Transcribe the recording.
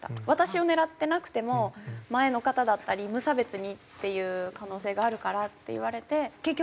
私を狙ってなくても前の方だったり無差別にっていう可能性があるからって言われて。